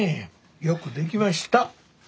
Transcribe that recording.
よくできました。